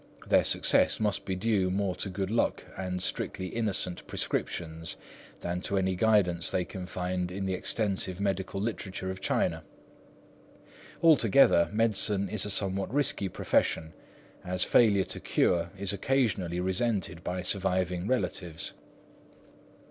Their success must be due more to good luck and strictly innocent prescriptions than to any guidance they can find in the extensive medical literature of China. All together, medicine is a somewhat risky profession, as failure to cure is occasionally resented by surviving relatives.